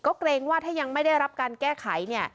ก็เกรงว่าถ้ายังไม่ได้รับการแก้ไขเนี่ย